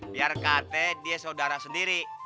biar kakek dia saudara sendiri